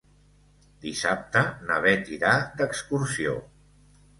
Dissabte na Bet irà d'excursió.